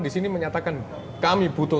di sini menyatakan kami butuh